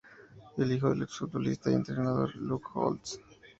Es hijo del ex-futbolista y entrenador Luc Holtz.